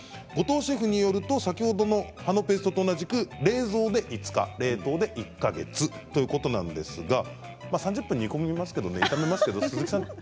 後藤シェフによると先ほどの葉のペーストと同じく冷蔵で５日、冷凍で１か月ということなんですが３０分炒めますけれど鈴木さん。